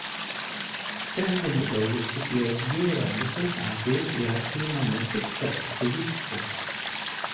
Sprendimai dėl vyskupijos gėrio visais atvejais yra priimami tik kartu su vyskupu.